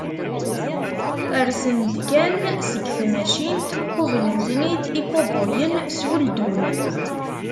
Rsen-d kan seg tmacint, qublen-ten-id ikubuyen s weldun.